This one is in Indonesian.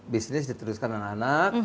bisnis diteruskan anak anak